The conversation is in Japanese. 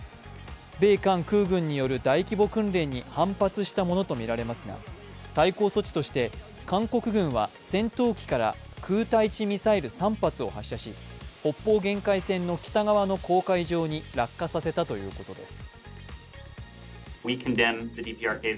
米韓空軍による大規模訓練による反発したものとみられますが対抗措置として韓国軍は戦闘機から空対地ミサイル３発を発射し北方限界線の北側の公海上に落下させたということです。